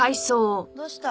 どうした？